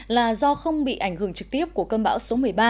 là do không bị ảnh hưởng trực tiếp của cơn bão số một mươi ba